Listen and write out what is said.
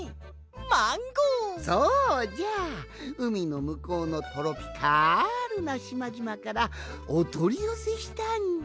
そうじゃうみのむこうのトロピカルなしまじまからおとりよせしたんじゃ。